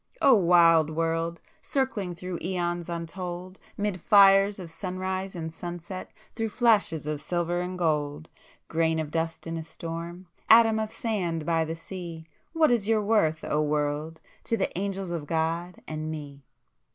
— O wild world!—circling through æons untold,— 'Mid fires of sunrise and sunset,—through flashes of silver and gold,— Grain of dust in a storm,—atom of sand by the sea,— What is your worth, O world, to the Angels of God and me!